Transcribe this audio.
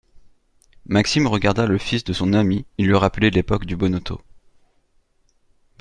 Maxime regarda le fils de son ami. Il lui rappelait l’époque du bonneteau